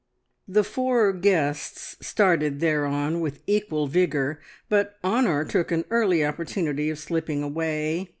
The four guests started thereon with equal vigour, but Honor took an early opportunity of slipping away.